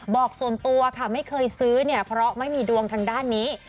บอกส่วนตัวค่ะไม่เคยซื้อเนี่ยเพราะไม่มีดวงทางด้านนี้